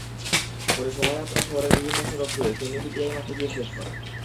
পরে শোভাযাত্রা শহরের বিভিন্ন সড়ক ঘুরে ফেনী পিটিআই মাঠে গিয়ে শেষ হয়।